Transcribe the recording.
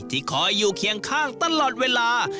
คอยอยู่เคียงข้างตลอดเวลา